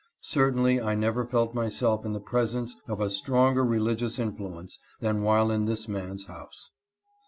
Certainly I never felt myself in the presence of a stronger religious influence than while in this man's house.